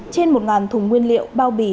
trên một thùng nguyên liệu bao bì